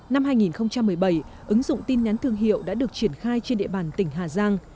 năm hai nghìn một mươi bảy ứng dụng tin nhắn thương hiệu đã được triển khai trên địa bàn tỉnh hà giang